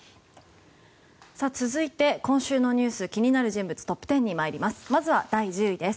続いて今週の気になる人物トップ１０に参ります。